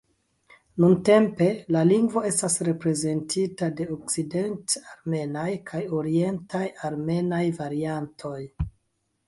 Nuntempe, la lingvo estas reprezentita de okcident-armenaj kaj orientaj armenaj variantoj.